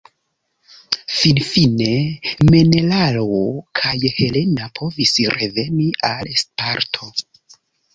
Finfine, Menelao kaj Helena povis reveni al Sparto.